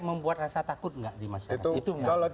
membuat rasa takut nggak di masyarakat